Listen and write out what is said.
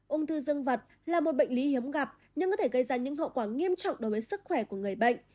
ung thư dương vật là một bệnh lý hiếm gặp nhưng có thể gây ra những hậu quả nghiêm trọng đối với sức khỏe của người bệnh